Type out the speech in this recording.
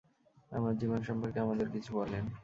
আপনার জীবন সম্পর্কে আমাদের কিছু বলেন।